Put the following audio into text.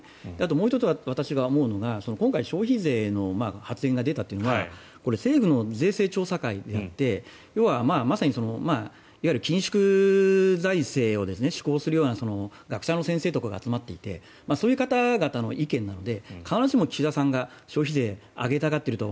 もう１つ、私が思うのは今回、消費税の発言が出たのは政府の税制調査会であって要は、まさにいわゆる緊縮財政を施行するような学者の先生方が集まっていてそういう方々の意見なので必ずしも岸田さんが消費税を上げたがっているかは